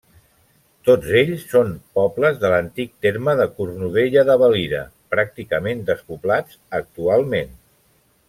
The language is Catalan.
Tots ells són pobles de l'antic terme de Cornudella de Valira pràcticament despoblats actualment.